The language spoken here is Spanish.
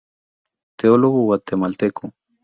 Teólogo guatemalteco.